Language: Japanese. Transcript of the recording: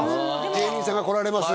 芸人さんが来られます